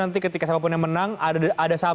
nanti ketika siapapun yang menang ada